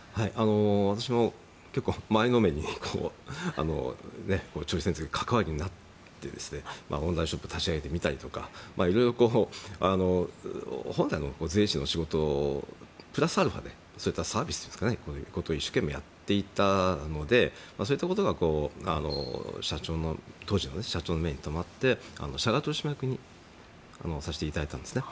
私も結構、前のめりに関わるようになってオンラインショップを立ち上げてみたりとかいろいろ本来の税理士の仕事プラスアルファでそういったサービスということを一生懸命やっていたのでそういったことが当初、社長の目に留まって社外取締役にさせていただいたんですね。